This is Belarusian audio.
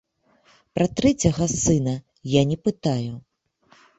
Пра трэцяга сына я не пытаю.